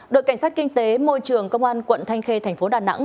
đội cảnh sát kinh tế môi trường công an quận thanh khê tp đà nẵng